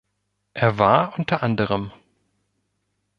Er war unter anderem.